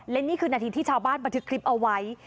และนี่คือนาทีที่ชาวบ้านบันทึกคลิปเอาไว้